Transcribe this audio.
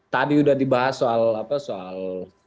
tadi udah dibahas soal apa soal